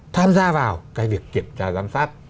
tham gia vào cái việc kiểm tra giám sát